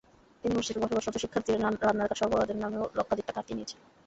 তিনি হোস্টেলে বসবাসরত শিক্ষার্থীদের রান্নার কাঠ সরবরাহের নামেও লক্ষাধিক টাকা হাতিয়ে নিয়েছেন।